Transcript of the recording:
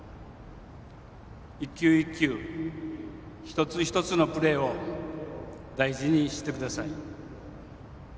１球１球、一つ一つのプレーを大事にしてください。